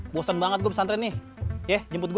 bosan banget gue pesantren nih yeh jemput gue